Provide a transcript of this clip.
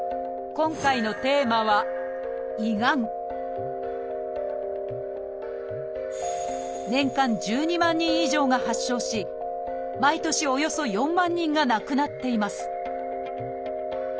今回のテーマは年間１２万人以上が発症し毎年およそ４万人が亡くなっています